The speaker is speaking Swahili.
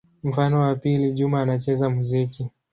Mfano wa pili: Juma anacheza muziki.